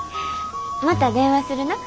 また電話するな。